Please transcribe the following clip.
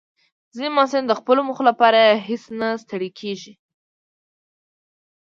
ځینې محصلین د خپلو موخو لپاره هیڅ نه ستړي کېږي.